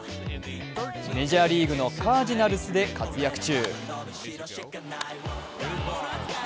メジャーリーグのカージナルスで活躍中。